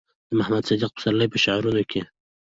د محمد صديق پسرلي په شعرونو کې